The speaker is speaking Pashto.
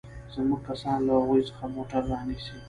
زموږ کسان له هغوى څخه موټر رانيسي.